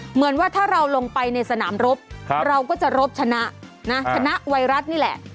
เหมือนว่าถ้าเราลงไปในสนามรบเราก็จะรบชนะนะชนะชนะไวรัสนี่แหละ